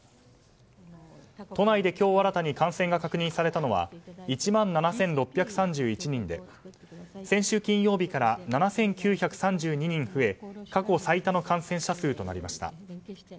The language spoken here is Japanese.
都内で今日新たに感染が確認されたのは１万７６３１人で先週金曜日から７９３２人増え過去最多の感染者数となりました。